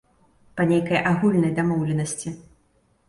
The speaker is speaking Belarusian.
Па нейкай агульнай дамоўленасці.